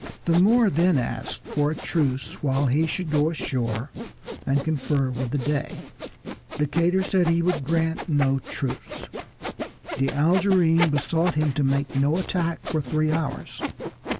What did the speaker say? The Moor then asked for a truce while he should go ashore and confer with the Dey. Decatur said he would grant no truce. The Algerine besought him to make no attack for three hours.